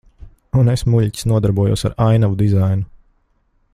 Un es, muļķis, nodarbojos ar ainavu dizainu.